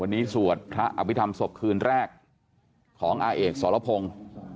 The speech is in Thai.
วันนี้สวดพระอภิษฐรรมศพคืนแรกของอาเอกสรพงศ์